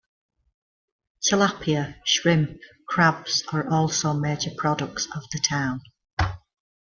Tilapia, shrimp, crabs are also major products of the town.